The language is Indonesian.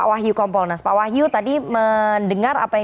jadi ya kamu masih ber ice clean phi